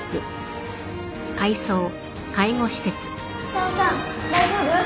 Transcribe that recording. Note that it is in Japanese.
久男さん大丈夫？